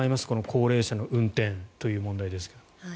高齢者の運転という問題ですが。